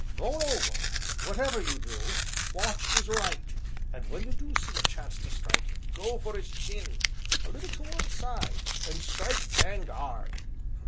Moreover, whatever you do, watch 'is right, and when you do see a chance to strike, go for 'is chin a little to one side and strike danged 'ard!"